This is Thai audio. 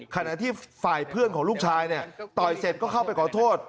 ขณะที่ฝ่ายเพื่อนของลูกชายเนี่ยต่อยเสร็จก็เข้าไปขอโทษ